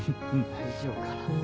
・大丈夫かな。